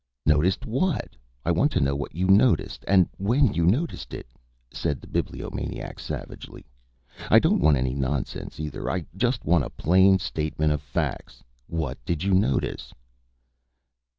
"Noticed what? I want to know what you noticed and when you noticed it," said the Bibliomaniac, savagely. "I don't want any nonsense, either. I just want a plain statement of facts. What did you notice?"